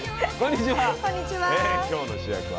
こんにちは。